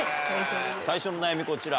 最初の悩み、こちら。